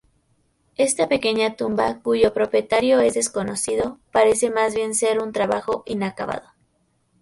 Esta pequeña tumba, cuyo propietario es desconocido, parece más bien ser un trabajo inacabado.